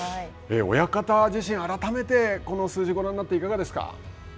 親方自身、改めてこの数字をご覧になっていかがですか。